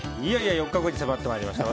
４日後に迫ってまいりました。